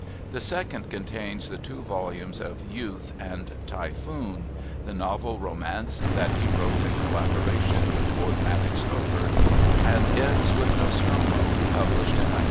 The second contains the two volumes of Youth and Typhoon, the novel Romance that he wrote in collaboration with Ford Madox Hueffer, and ends with Nostromo, published in 1903.